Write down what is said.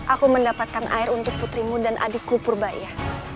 aku mendapatkan air untuk putrimu dan adikku purbaya